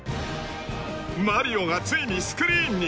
［マリオがついにスクリーンに！］